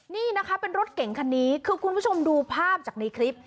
นี่นะคะเป็นรถเก่งคันนี้คือคุณผู้ชมดูภาพจากในคลิป